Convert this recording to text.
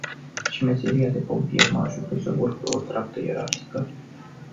Și meseria de pompier mă ajută să urc pe o treaptă ierarhică.